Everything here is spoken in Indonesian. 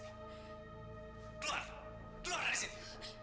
keluar keluar dari sini